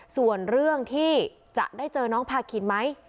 ส่วนเรื่องที่จะได้เจอน้องพาคินไหม